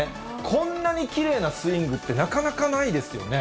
こんなにきれいなスイングって、なかなかないですよね。